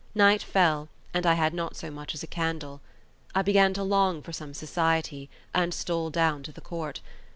Night fell, and I had not so much as a candle. I began to long for some society, and stole down to the court.